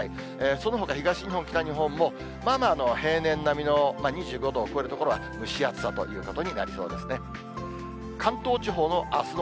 そのほか東日本、北日本も、まあまあ、平年並みの２５度を超える所は蒸し暑さということになりそうですね。